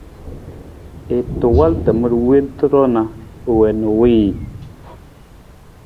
I ta wal tamar wonta ru na u wii na u wiiji.